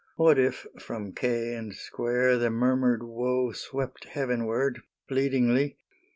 What if from quai and square the murmured woe Swept heavenward, pleadingly?